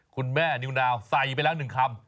คุณแม่นิวนาวใส่ไปแล้ว๑คำ